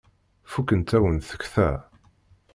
Fukent-awent tekta.